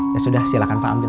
ya sudah silakan pak ambil